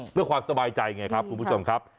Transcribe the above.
เพื่อความสบายใจไงครับคุณผู้ชมครับ